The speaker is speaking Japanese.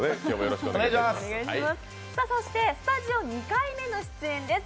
そしてスタジオ２回目の出演です。